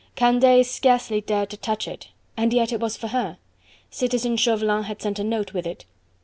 Candeille scarcely dared to touch it, and yet it was for her. Citizen Chauvelin had sent a note with it.